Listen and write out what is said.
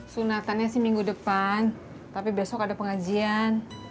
sunatannya sih minggu depan tapi besok ada pengajian